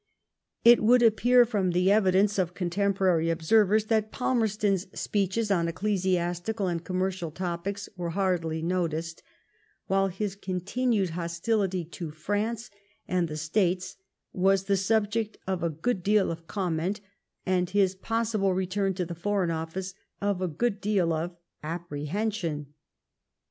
It would appear from the evidence of contemporary observers that Palmerston's speeches on ecclesiastical and commercial topics were hardly noticed ; while his continued hostility to France and the States was the \ subject of a good deal of comment, and his possible return to the Foreign Office of a good deal of appre hension.